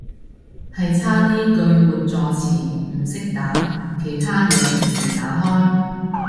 係差啲句末助詞唔識打，其他嘢平時打開